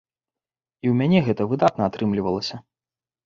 І ў мяне гэта выдатна атрымлівалася.